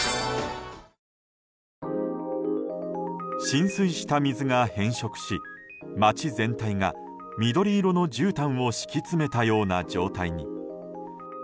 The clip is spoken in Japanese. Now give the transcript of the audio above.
浸水した水が変色し町全体が緑色のじゅうたんを敷き詰めたような状態に。